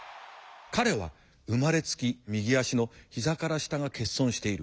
彼は生まれつき右足の膝から下が欠損している。